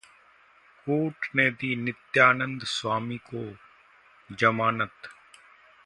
court ने दी नित्यानंद स्वामी को जमानत